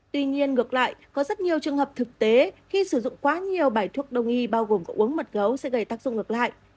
tuy nhiên ngược lại có rất nhiều trường hợp thực tế khi sử dụng quá nhiều bài thuốc đồng y bao gồm có uống mật gấu sẽ gây tác dụng ngược lại